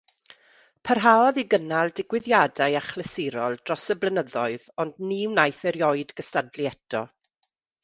Parhaodd i gynnal digwyddiadau achlysurol dros y blynyddoedd ond ni wnaeth erioed gystadlu eto.